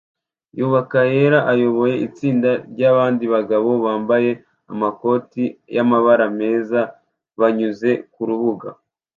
yubaka yera ayoboye itsinda ryabandi bagabo bambaye amakoti yamabara meza banyuze kurubuga